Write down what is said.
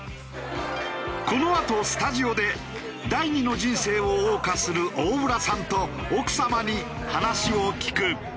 このあとスタジオで第２の人生を謳歌する大浦さんと奥様に話を聞く。